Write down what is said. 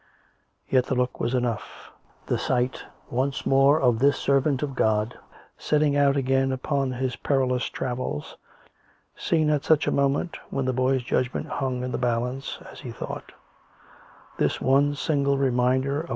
Yet the look was enough. The sight, once more, of this servant of God, setting out again upon his perilous travels —• seen at such a moment, when the boy's judgment hung in the balance (as he thought) ; this one single reminder of COME RACK!